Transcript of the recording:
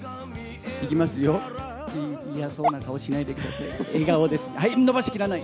いきますよ、嫌そうな顔しないでください。